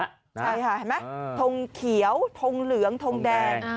ใช่ค่ะเห็นไหมทงเขียวทงเหลืองทงแดง